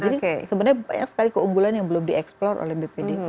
jadi sebenarnya banyak sekali keunggulan yang belum di explore oleh bpd